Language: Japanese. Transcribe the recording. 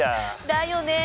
だよね！